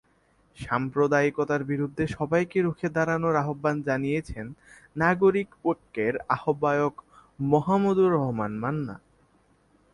সাম্প্রদায়িকতার বিরুদ্ধে সবাইকে রুখে দাঁড়ানোর আহ্বান জানিয়েছেন নাগরিক ঐক্যের আহ্বায়ক মাহমুদুর রহমান মান্না।